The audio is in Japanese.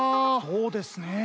そうですねえ。